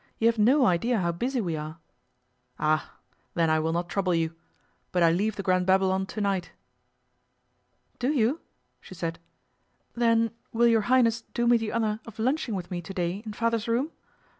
You have no idea how busy we are.' 'Ah! then I will not trouble you. But I leave the Grand Babylon to night.' 'Do you?' she said. 'Then will your Highness do me the honour of lunching with me today in Father's room?